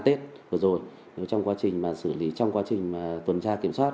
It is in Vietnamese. trong quá trình xử lý trong quá trình tuần tra kiểm soát